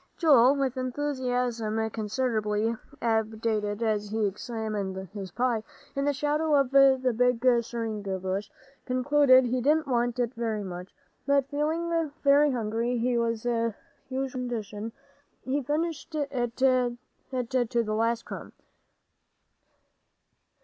Joel, with enthusiasm considerably abated as he examined his pie in the shadow of the big seringa bushes, concluded he didn't want it very much. But feeling very hungry, which was his usual condition, he finished it to the last crumb.